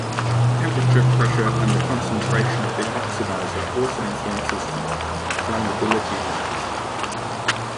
Temperature, pressure, and the concentration of the oxidizer also influences flammability limits.